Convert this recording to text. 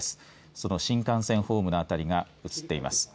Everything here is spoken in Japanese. その新幹線ホームの辺りが映っています。